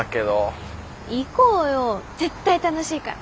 行こうよ絶対楽しいから。